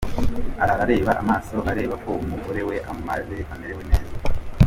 arara areba amaso areba ko umugore we amarewe neza.